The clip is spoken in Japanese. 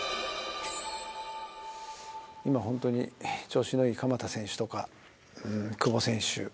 今ホントに調子のいい鎌田選手とか久保選手